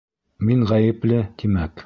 Мин ғәйепле, тимәк?